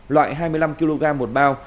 loại hai mươi năm kg một bao